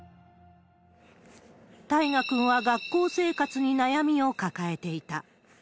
大芽君は学校生活に悩みを抱えていた。